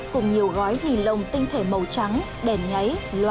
cùng nhiều gói mì lông tinh thể màu trắng đèn nháy loa